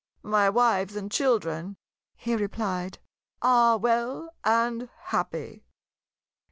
"My wives and children," he replied, "are well and happy."